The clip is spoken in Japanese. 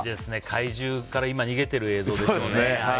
怪獣から逃げている映像でしたね。